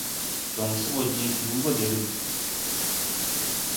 Jon se bɔ jɛ kluu gɔ de ruggi.